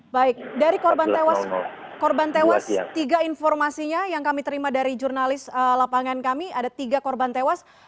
baik dari korban tewas tiga informasinya yang kami terima dari jurnalis lapangan kami ada tiga korban tewas